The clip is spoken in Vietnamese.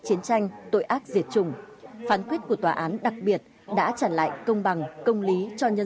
chiến tranh tội ác diệt chủng phán quyết của tòa án đặc biệt đã trả lại công bằng công lý cho nhân